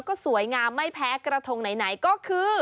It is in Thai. ก็สวยงามไม่แพ้กระทงไหนก็คือ